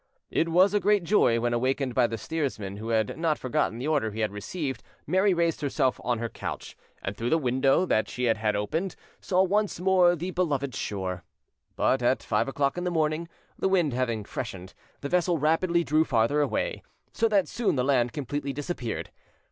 It was a great joy when, awakened by the steersman, who had not forgotten the order he had received, Mary raised herself on her couch, and through the window that she had had opened, saw once more the beloved shore. But at five o'clock in the morning, the wind having freshened, the vessel rapidly drew farther away, so that soon the land completely disappeared.